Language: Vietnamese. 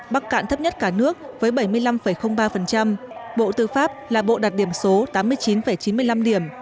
bắc cạn thấp nhất cả nước với bảy mươi năm ba bộ tư pháp là bộ đạt điểm số tám mươi chín chín mươi năm điểm